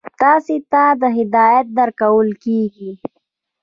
تاسې ته هدایت درکول کیږي.